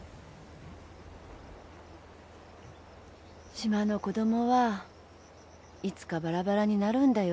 島の子供はいつかバラバラになるんだよ。